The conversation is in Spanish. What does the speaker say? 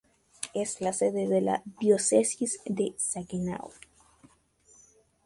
Es la sede de la Diócesis de Saginaw.